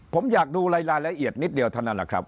ผมอยากดูรายละเอียดนิดเดียวเท่านั้นแหละครับ